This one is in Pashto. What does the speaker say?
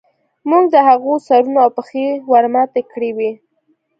موږ د هغوی سرونه او پښې ورماتې کړې وې